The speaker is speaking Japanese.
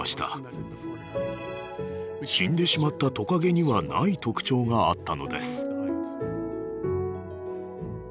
死んでしまったトカゲにはない特徴があったのです。